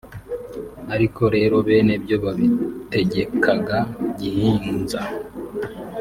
ariko rero bene byo babitegekaga gihinza